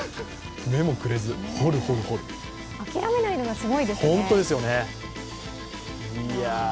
目もくれず、諦めないのがすごいですよね。